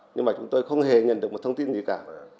nhưng mà chúng tôi không hề nhận được một thông tin gì cả